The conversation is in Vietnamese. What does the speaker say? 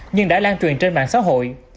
nhưng đã lan truyền trên mạng xã hội